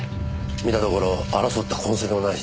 見たところ争った痕跡もないしな。